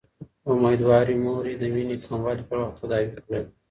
اميدوارې مورې، د وينې کموالی پر وخت تداوي کړه